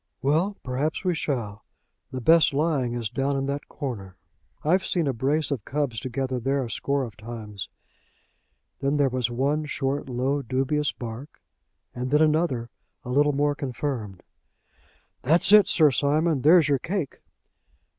"Well, perhaps we shall. The best lying is down in that corner. I've seen a brace of cubs together there a score of times." Then there was one short low, dubious, bark, and then another a little more confirmed. "That's it, Sir Simon. There's your 'cake.'"